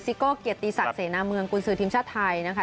โก้เกียรติศักดิเสนาเมืองกุญสือทีมชาติไทยนะคะ